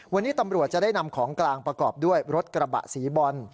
วันนี้ตำรวจจะได้นำของกลางประกอบด้วยรถกระบะสีบอล